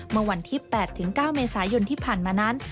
เมื่อวันที่๘๙เมษายนที่ผ่านมานั้น